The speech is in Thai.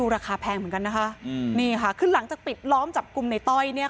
ราคาแพงเหมือนกันนะคะนี่ค่ะคือหลังจากปิดล้อมจับกลุ่มในต้อยเนี่ย